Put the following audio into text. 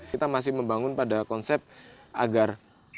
kita masih membangun pada konsep agar